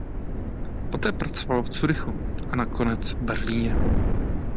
Poté pracoval v Curychu a nakonec v Berlíně.